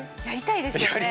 やりたいですよね。